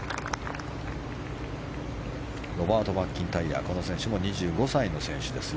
ロバート・マッキンタイヤこの選手も２５歳の選手です。